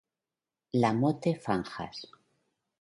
La Motte-Fanjas